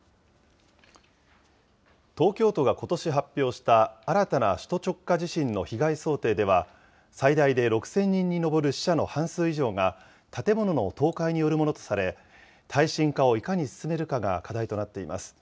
東京都がことし発表した新たな首都直下地震の被害想定では、最大で６０００人に上る死者の半数以上が建物の倒壊によるものとされ、耐震化をいかに進めるかが課題となっています。